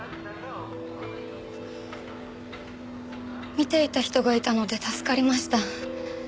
見ていた人がいたので助かりました。